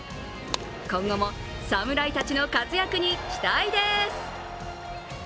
今後も侍たちの活躍に期待です。